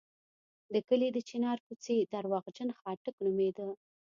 د کلي د چنار کوڅې درواغجن خاټک نومېده.